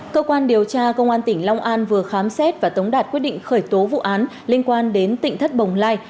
cơ quan điều tra công an tỉnh long an vừa khám xét và tống đạt quyết định khởi tố vụ án liên quan đến tỉnh thất bồng lai